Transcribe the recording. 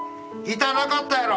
痛なかったやろ？